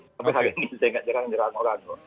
tapi hari ini saya tidak nyerang nyerang orang